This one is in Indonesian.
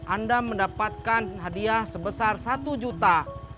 anda mendapatkan hadiah sebesar satu juta